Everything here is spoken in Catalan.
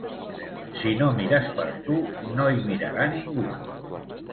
Si no mires per tu, no hi mirarà ningú.